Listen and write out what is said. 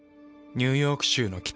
ニューヨーク州の北。